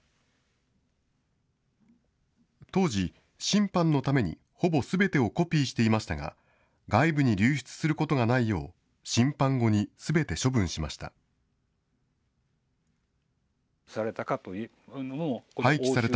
当時、審判のためにほぼすべてをコピーしていましたが、外部に流出することがないよう、審判後にすべて処分しました。